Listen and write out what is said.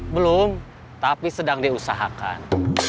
belum tapi sedang diusahakan